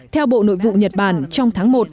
theo bộ nội vụ nhật bản trong tháng một